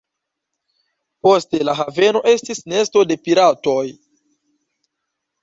Poste la haveno estis nesto de piratoj.